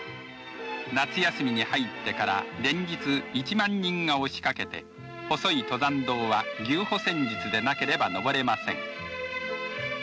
夏休みに入ってから連日１万人が押しかけて細い登山道は牛歩戦術でなければ登れません。